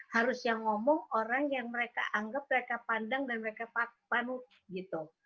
harus yang ngomong orang yang mereka anggap mereka pandang dan mereka panut gitu